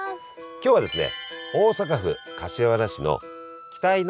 今日はですね